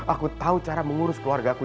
aku tahu cara mengurus keluarga ku